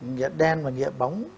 nghĩa đen và nghĩa bóng